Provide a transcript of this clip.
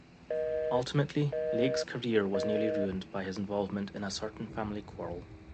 Ultimately, Lake's career was nearly ruined by his involvement in a certain family quarrel.